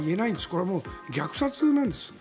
これは虐殺なんです。